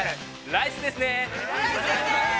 ◆ライスですね！